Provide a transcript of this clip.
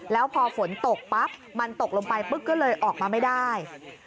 แล้วพอฝนตกปั๊บมันตกลงไปปุ๊บก็เลยออกมาไม่ได้